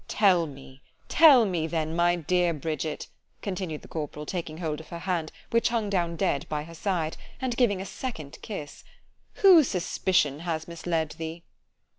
——Tell me——tell me, then, my dear Bridget, continued the corporal, taking hold of her hand, which hung down dead by her side,——and giving a second kiss——whose suspicion has misled thee?